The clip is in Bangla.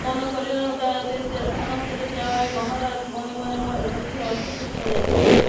মনে করিলেন, উদয়াদিত্য স্থানান্তরে যাওয়ায় মহারাজ মনে মনে বুঝি সন্তুষ্ট হইয়াছেন।